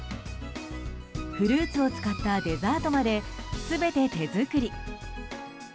フルーツを使ったデザートまで全て手作り。